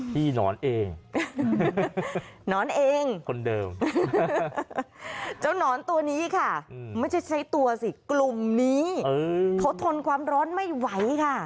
หนอนเองหนอนเองคนเดิมเจ้าหนอนตัวนี้ค่ะไม่ใช่ใช้ตัวสิกลุ่มนี้เขาทนความร้อนไม่ไหวค่ะ